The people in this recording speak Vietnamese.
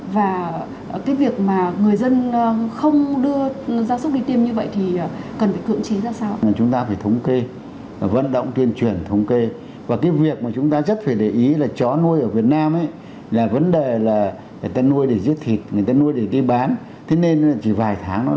và việc người dân không đưa gia sức đi tiêm như vậy thì cần phải cựm chế ra sao